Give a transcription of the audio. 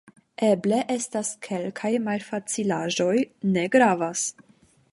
Eble estas kelkaj malfacilaĵoj... ne gravas.